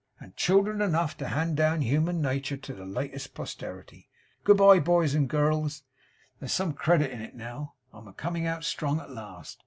And children enough to hand down human natur to the latest posterity good b'ye, boys and girls! There's some credit in it now. I'm a coming out strong at last.